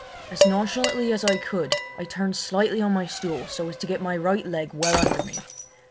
As nonchalantly as I could I turned slightly on my stool so as to get my right leg well under me.